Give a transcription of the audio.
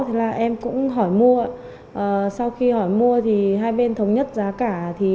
em cũng hỏi mua sau khi hỏi mua thì hai bên thống nhất giá cả